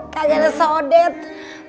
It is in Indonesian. kayak karena saudade